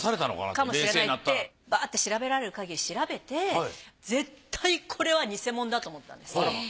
かもしれないってバーッて調べられる限り調べて絶対これは偽物だと思ったんです。